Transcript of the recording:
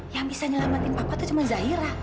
yang bisa nyelamatin papa tuh cuma zahira